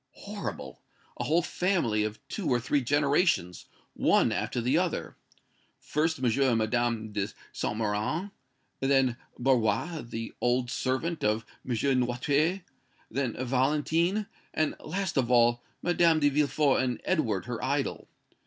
"Horrible! A whole family of two or three generations, one after the other! First M. and Madame de Saint Méran then Barrois, the old servant of M. Noirtier then Valentine, and, last of all, Madame de Villefort and Edward, her idol.